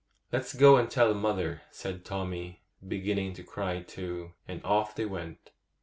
'Let's go and tell mother,' said Tommy, beginning to cry too; and off they went.